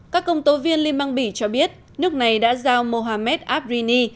các công tố viên liên bang bì cho biết nước này đã giao mohamed afrini